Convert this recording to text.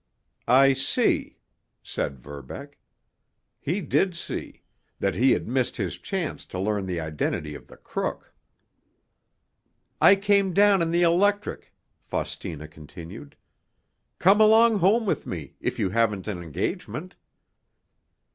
"I see," said Verbeck. He did see—that he had missed his chance to learn the identity of the crook. "I came down in the electric," Faustina continued. "Come along home with me, if you haven't an engagement."